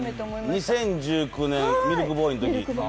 ２０１９年、ミルクボーイのとき。